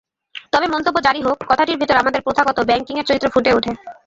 তবে মন্তব্য যাঁরই হোক, কথাটির ভেতর আমাদের প্রথাগত ব্যাংকিংয়ের চরিত্র ফুটে ওঠে।